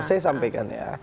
saya sampaikan ya